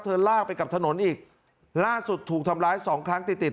ลากไปกับถนนอีกล่าสุดถูกทำร้ายสองครั้งติดติด